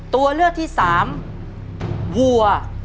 ตัวเลือกที่สามวัว